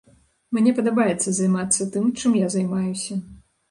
Мне падабаецца займацца тым, чым я займаюся.